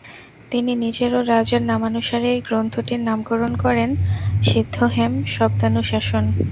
তিনি নিজের ও রাজার নামানুসারে এই গ্রন্থটির নামকরণ করেন সিদ্ধ-হেম-শব্দানুশাসন।